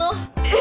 え！